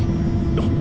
あっ。